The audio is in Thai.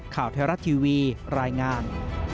ข่าวไทยรัฐทีวีรายงาน